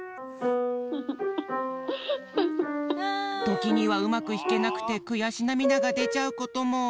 ときにはうまくひけなくてくやしなみだがでちゃうことも。